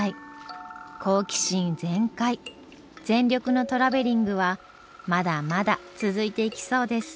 好奇心全開全力のトラベリングはまだまだ続いていきそうです。